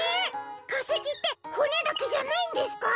かせきってほねだけじゃないんですか？